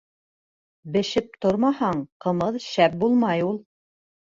Бешеп тормаһаң, ҡымыҙ шәп булмай ул.